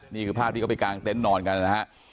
นี่คือภาพที่เขาไปกางเต็นต์นอนกันนะฮะ